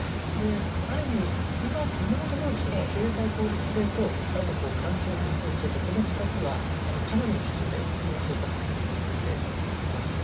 ある意味今のところ経済効率性とあと、環境適合性ってこの２つはかなりの比重で今、政策的に取り組んでいます。